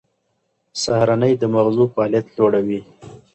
سهارنۍ د مغزو فعالیت لوړوي.